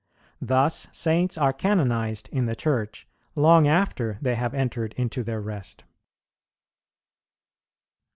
Thus Saints are canonized in the Church, long after they have entered into their rest.